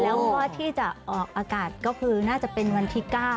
แล้วก็ที่จะออกอากาศก็คือน่าจะเป็นวันที่๙